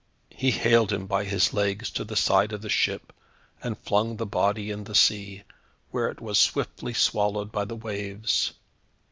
He haled him by his legs to the side of the ship and flung the body in the sea, where it was swiftly swallowed by the waves.